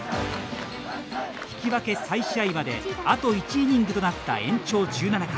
引き分け再試合まであと１イニングとなった延長１７回。